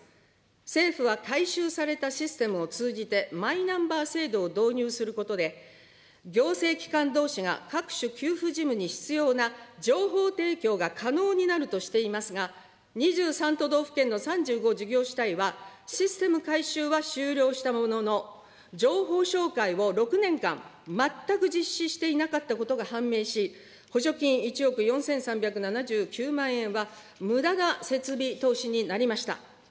政府は改修されたシステムを通じてマイナンバー制度を導入することで、行政機関どうしが各種給付事務に必要な情報提供が可能になるとしていますが、２３都道府県の３５事業主体はシステム改修は終了したものの、情報照会を６年間全く実施していなかったことが判明し、補助金１億４３７９億円はむだな設備投資になりました。